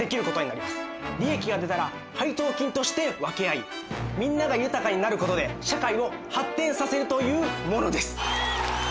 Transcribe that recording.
利益が出たら配当金として分け合いみんなが豊かになることで社会を発展させるというものです。